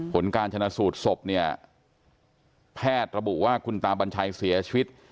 ผลการชนะสูตรศพเนี่ยแพทย์ระบุว่าคุณตาบัญชัยเสียชีวิต